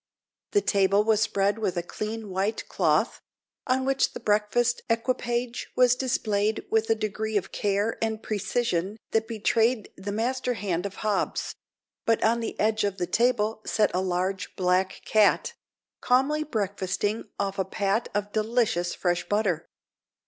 The table was spread with a clean white cloth, on which the breakfast equipage was displayed with a degree of care and precision that betrayed the master hand of Hobbs; but on the edge of the table sat a large black cat, calmly breakfasting off a pat of delicious fresh butter.